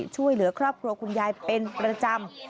ช่วยเหลือครอบครัวคุณยายเป็นประจำ